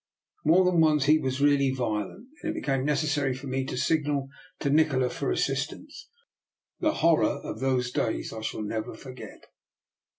More than once he was really violent, and it became necessary for me to signal to Nikola for assistance. The horror of those days I shall never forget.